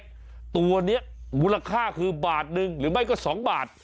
ตัวนี้มูลค่าคือบาทหนึ่งหรือไม่ก็๒บาท